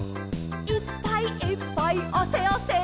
「いっぱいいっぱいあせあせ」